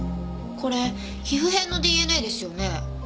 これ皮膚片のＤＮＡですよね。